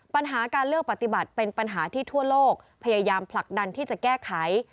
ปัญหาการเลือกปฏิบัติเป็นปัญหาที่ทั่วโลกพยายามผลักดันที่จะแก้ไข